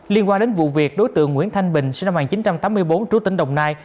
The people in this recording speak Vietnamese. liên quan đến vụ việc đối tượng nguyễn thanh bình sinh năm một nghìn chín trăm tám mươi bốn trú tỉnh đồng nai